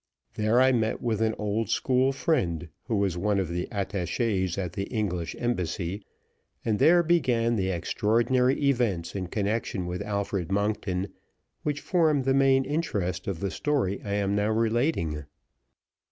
There I met with an old school friend, who was one of the attaches at the English embassy, and there began the extraordinary events in connection with Alfred Monkton which form the main interest of the story I am now relating.